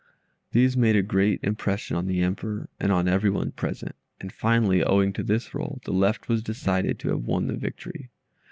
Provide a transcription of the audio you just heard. These made a great impression on the Emperor, and on everyone present; and finally, owing to this roll, the left was decided to have won the victory.